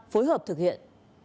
phối hợp thực hiện